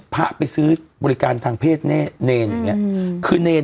พระไปซื้อบริการทางเพศแน่เนรอย่างเงี้คือเนร